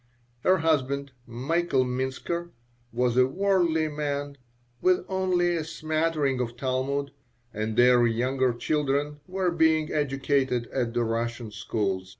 Her husband, Michael Minsker, was a "worldly" man, with only a smattering of Talmud, and their younger children were being educated at the Russian schools.